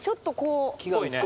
木が。